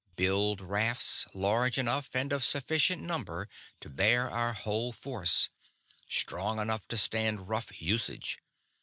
Build rafts, large enough and of sufficient number to bear our whole force; strong enough to stand rough usage.